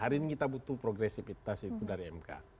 hari ini kita butuh progresifitas itu dari mk